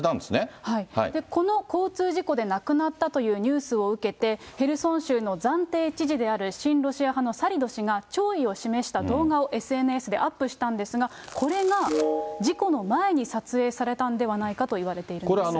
この交通事故で亡くなったというニュースを受けて、ヘルソン州の暫定知事である親ロシア派のサリド氏が弔意を示した動画をＳＮＳでアップしたんですが、これが事故の前に撮影されたんではないかといわれているんです。